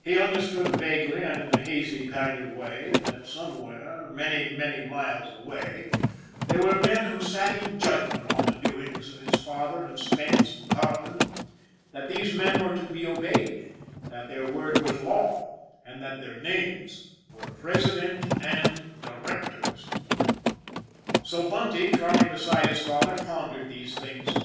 He under stood vaguely and in a hazy kind of way that some where, many, many miles away, were men who sat in THE LITTLE SUPER 31 judgment on the doings of his father and Spence and Carleton ; that these men were to be obeyed, that their word was law, and that their names were President and Directors. So Bunty, trotting beside his father, pondered these things.